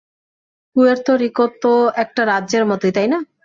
Puerto Rico তো একটা রাজ্যের মতোই, তাই না?